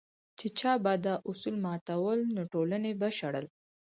چې چا به دا اصول ماتول نو ټولنې به شړل.